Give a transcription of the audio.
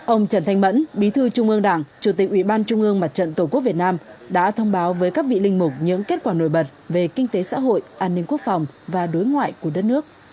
ông trần thanh mẫn bí thư trung ương đảng chủ tịch ủy ban trung ương mặt trận tổ quốc việt nam đã thông báo với các vị linh mục những kết quả nổi bật về kinh tế xã hội an ninh quốc phòng và đối ngoại của đất nước